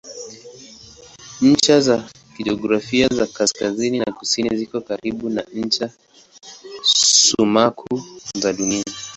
Ncha za kijiografia za kaskazini na kusini ziko karibu na ncha sumaku za Dunia.